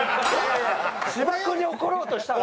芝君に怒ろうとしたら。